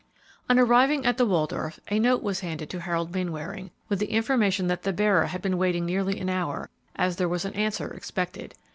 On arriving at the Waldorf, a note was handed to Harold Mainwaring, with the information that the bearer had been waiting nearly an hour, as there was an answer expected.